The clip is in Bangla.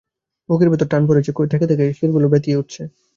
বুকের ভিতরে টান পড়ছে, থেকে থেকে শিরগুলো ব্যথিয়ে উঠছে।